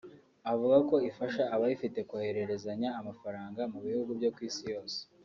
Avuga ko ifasha abayifite kohererezanya amafaranga mu bihugu byo ku Isi hose